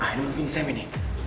ini mungkin sam ini